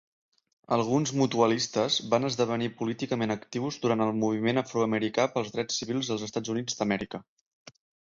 Alguns "mutualistes" van esdevenir políticament actius durant el Moviment afroamericà pels drets civils als Estats Units d'Amèrica.